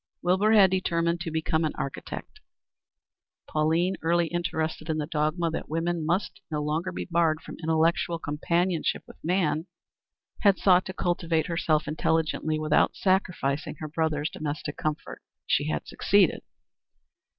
Wilbur had determined to become an architect. Pauline, early interested in the dogma that woman must no longer be barred from intellectual companionship with man, had sought to cultivate herself intelligently without sacrificing her brother's domestic comfort. She had succeeded.